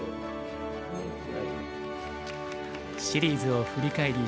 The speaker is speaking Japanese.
シリーズを振り返り